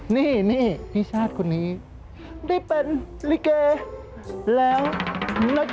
นี่พี่ชาติคนนี้ได้เป็นลีเกย์แล้วนะจ๊ะ